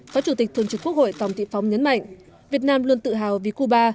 phó chủ tịch thường trực quốc hội tòng thị phóng nhấn mạnh việt nam luôn tự hào vì cuba